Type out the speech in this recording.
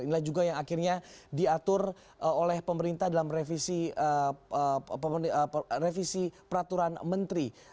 inilah juga yang akhirnya diatur oleh pemerintah dalam revisi peraturan menteri